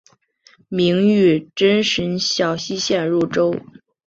明玉珍省小溪县入州。